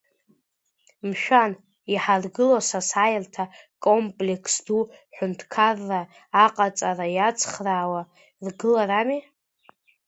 Мшәан, иҳаргыло асасааирҭа комплекс ду ҳҳәынҭқарра аҟаҵара иацхраауа ргыларами.